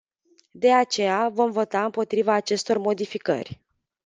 De aceea, vom vota împotriva acestor modificări.